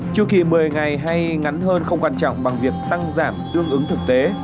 chu kỳ một mươi ngày hay ngắn hơn không quan trọng bằng việc tăng giảm tương ứng thực tế